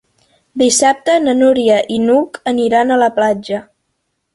Dissabte na Núria i n'Hug aniran a la platja.